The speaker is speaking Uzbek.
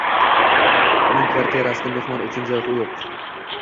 Uning kvartirasida mehmon uchun joy yo`q